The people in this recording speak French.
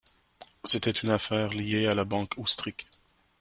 C'était une affaire liée à la banque Oustric.